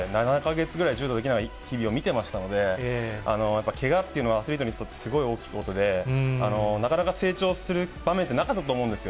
彼がひざの前十字じん帯を切って、７か月ぐらい柔道できない日々を見てきましたので、けがっていうのはアスリートにとってすごい大きいことで、なかなか成長する場面ってなかったと思うんですよ。